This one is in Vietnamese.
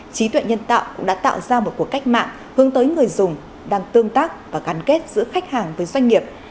trí tuệ nhân tạo cũng đã tạo ra một cuộc cách mạng hướng tới người dùng đang tương tác và gắn kết giữa khách hàng với doanh nghiệp